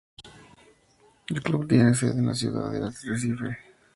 El club tiene sede en la ciudad del Arrecife.